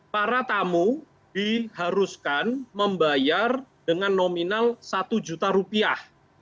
para tamu diharuskan membayar dengan nominal satu juta rupiah